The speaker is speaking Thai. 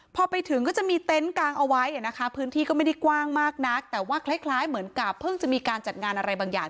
พอไปถึงก็จะมีเต็นต์กางเอาไว้นะคะพื้นที่ก็ไม่ได้กว้างมากนักแต่ว่าคล้ายเหมือนกับเพิ่งจะมีการจัดงานอะไรบางอย่าง